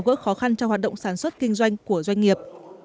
gỡ khó khăn cho hoạt động sản xuất kinh doanh của doanh nghiệp